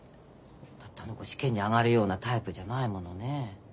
だってあの子試験にあがるようなタイプじゃないものねえ。